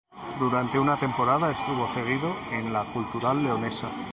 Durante una temporada estuvo cedido en la Cultural Leonesa.